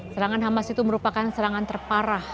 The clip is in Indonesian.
serangan hamas itu merupakan serangan terparah